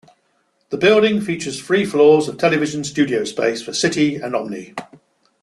The building features three floors of television studio space for City and Omni.